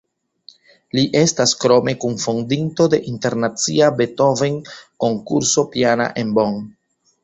Li estas krome kunfondinto de internacia Beethoven-konkurso piana en Bonn.